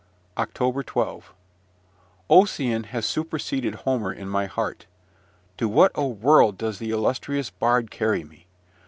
OCTOBER 12. Ossian has superseded Homer in my heart. To what a world does the illustrious bard carry me!